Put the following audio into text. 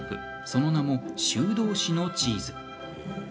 その名も修道士のチーズ。